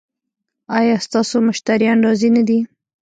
ایا ستاسو مشتریان راضي نه دي؟